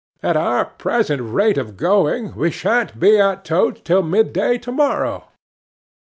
At our present rate of going we sha'n't be at Totes till midday to morrow."